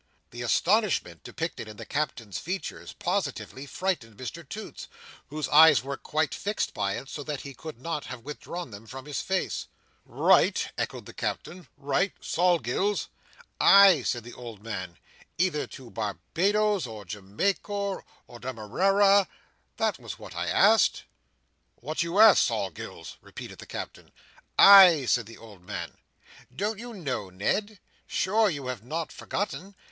The astonishment depicted in the Captain's features positively frightened Mr Toots, whose eyes were quite fixed by it, so that he could not withdraw them from his face. "Write!" echoed the Captain. "Write, Sol Gills?" "Ay," said the old man, "either to Barbados, or Jamaica, or Demerara, that was what I asked." "What you asked, Sol Gills?" repeated the Captain. "Ay," said the old man. "Don't you know, Ned? Sure you have not forgotten?